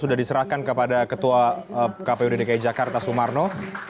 sudah diserahkan kepada ketua kpu dki jakarta sumarno